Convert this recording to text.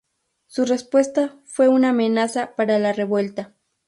Su respuesta fue una amenaza para la revuelta.